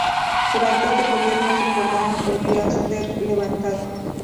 Durante este gobierno su programa volvió a ser levantado.